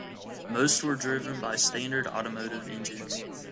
Most were driven by standard automotive engines.